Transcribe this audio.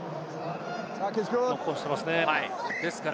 ノックオンしていますね。